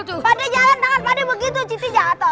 padahal jangan tangan padah begitu citi jatuh